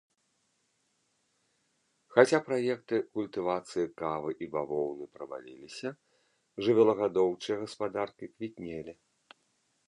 Хаця праекты культывацыі кавы і бавоўны праваліліся, жывёлагадоўчыя гаспадаркі квітнелі.